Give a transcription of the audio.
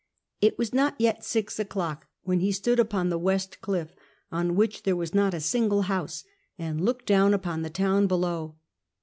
It was not yet six o'clock when he stood upon the west cliff — on which there was not a single house — and looked down upon the tt>wn below.